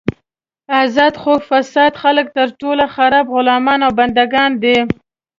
ازاد خو فاسد خلک تر ټولو خراب غلامان او بندګان دي.